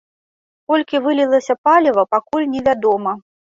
Колькі вылілася паліва, пакуль невядома.